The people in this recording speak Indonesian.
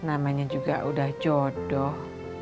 namanya juga udah jodoh